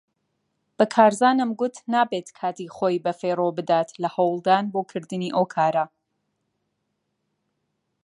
بە کارزانم گوت نابێت کاتی خۆی بەفیڕۆ بدات لە هەوڵدان بۆ کردنی ئەو کارە.